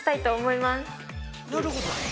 なるほど。